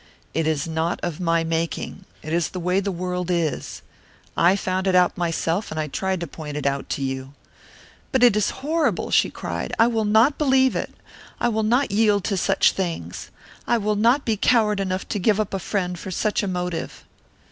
"It is not of my making. It is the way the world is. I found it out myself, and I tried to point it out to you." "But it is horrible!" she cried. "I will not believe it. I will not yield to such things. I will not be coward enough to give up a friend for such a motive!"